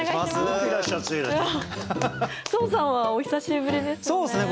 壮さんはお久しぶりですよね。